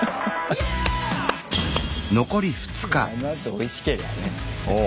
おいしけりゃね。